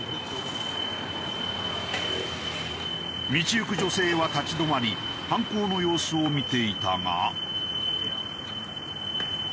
道行く女性は立ち止まり犯行の様子を見ていたが。